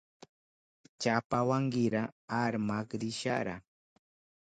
Chapawankira armak risharaya.